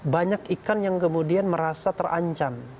banyak ikan yang kemudian merasa terancam